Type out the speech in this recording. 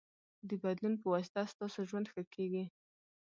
د بدلون پواسطه ستاسو ژوند ښه کېږي.